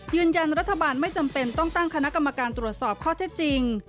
ยืนยันรัฐบาลไม่จำเป็นต้องตั้งคณะกรรมการตรวจสอบข้อเท็จจริง